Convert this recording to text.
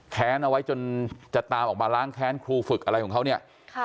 แค้นเอาไว้จนจะตามออกมาล้างแค้นครูฝึกอะไรของเขาเนี่ย